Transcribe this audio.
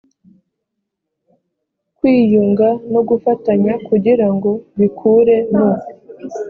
kwiyunga no gufatanya kugira ngo bikure mu